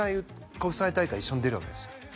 国際大会一緒に出るわけですよ